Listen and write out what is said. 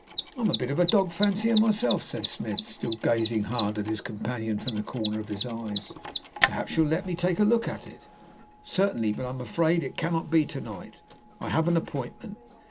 "I am a bit of a dog fancier myself," said Smith, still gazing hard at his companion from the corner of his eyes. "Perhaps you'll let me have a look at it." "Certainly. But I am afraid it cannot be to night; I have an appointment.